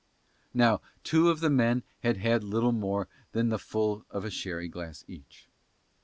Now two of the men had had little more than the full of a sherry glass each.